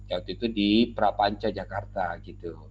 waktu itu di prapanca jakarta gitu